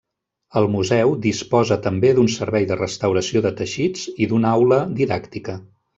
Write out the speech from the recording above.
El museu disposa també d'un servei de restauració de teixits i d'una aula didàctica.